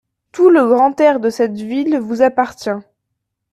Tout le grand air de cette ville vous appartient.